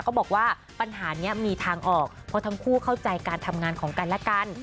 บอกว่าปัญหานี้มีทางออกเพราะทั้งคู่เข้าใจการทำงานของกันและกัน